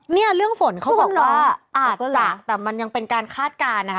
เนี่ยเรื่องฝนเขาบอกว่าอาจจะแต่มันยังเป็นการคาดการณ์นะคะ